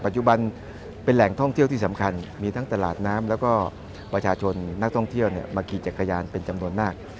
จุบันเป็นแหล่งท่องเที่ยวที่สำคัญมีทั้งตลาดน้ำแล้วก็ประชาชนนักท่องเที่ยวมาขี่จักรยานเป็นจำนวนมาก